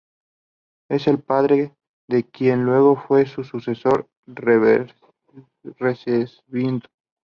Es el padre de quien luego fue su sucesor, Recesvinto.